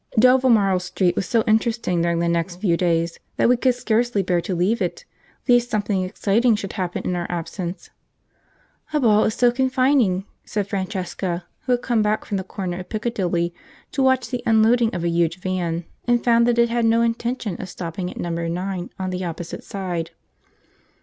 Dovermarle Street was so interesting during the next few days that we could scarcely bear to leave it, lest something exciting should happen in our absence. "A ball is so confining!" said Francesca, who had come back from the corner of Piccadilly to watch the unloading of a huge van, and found that it had no intention of stopping at Number Nine on the opposite side.